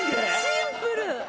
シンプル。